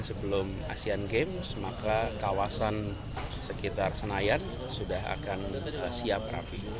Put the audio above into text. sebelum asean games maka kawasan sekitar senayan sudah akan siap rapi